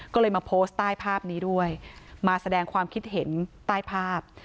ก็เลยมาโพสต์ใต้ภาพนี้ด้วยมาแสดงความคิดเห็นใต้ภาพ